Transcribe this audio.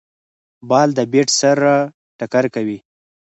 بال د بېټ سره ټکر کوي.